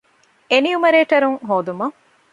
އެނިއުމަރޭޓަރުން ހޯދުމަށް